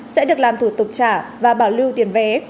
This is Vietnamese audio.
sẽ được làm thủ tục trả và bảo lưu tiền vé